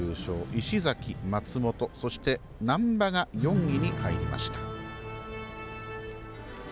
石崎、松元そして、難波が４位に入りました。